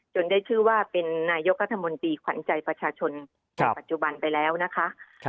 ได้ชื่อว่าเป็นนายกรัฐมนตรีขวัญใจประชาชนจากปัจจุบันไปแล้วนะคะ